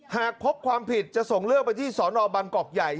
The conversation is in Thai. หากพบความผิดจะส่งเรื่องไปที่สนบังกอกใหญ่